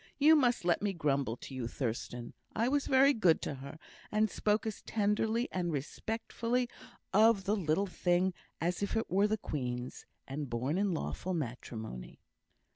You must let me grumble to you, Thurstan. I was very good to her, and spoke as tenderly and respectfully of the little thing as if it were the Queen's, and born in lawful matrimony."